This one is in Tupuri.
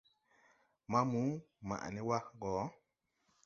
Maamu, maʼ ne wa go!